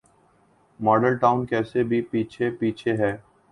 Model Town case بھی پیچھے پیچھے ہے۔